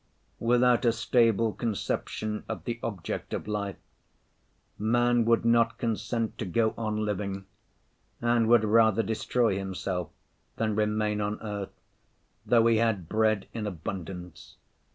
Without a stable conception of the object of life, man would not consent to go on living, and would rather destroy himself than remain on earth, though he had bread in abundance.